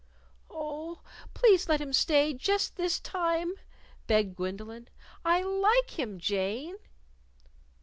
"Oh, please let him stay just this time!" begged Gwendolyn; "I like him, Jane!"